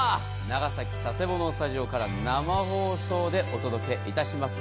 長崎・佐世保のスタジオから生放送でお届けいたします。